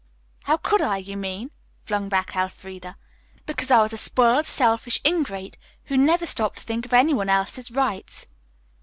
"How could I, you mean," flung back Elfreda. "Because I was a spoiled, selfish ingrate who never stopped to think of any one else's rights."